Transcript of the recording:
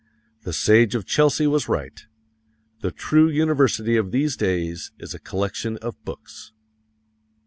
The Sage of Chelsea was right: "The true university of these days is a collection of books."